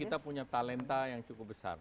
kita punya talenta yang cukup besar